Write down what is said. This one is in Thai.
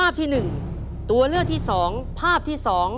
คือภาพใด